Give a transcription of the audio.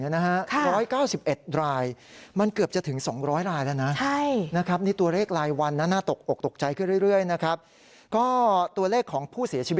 ๑๙๑นะฮะ๑๙๑รายมันเกือบจะถึง๒๐๐รายแล้วนะนะครับนี่ตัวเลขรายวันนั้นน่าตกออกตกใจขึ้นเรื่อยนะครับ